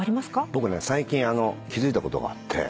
僕ね最近気付いたことがあって。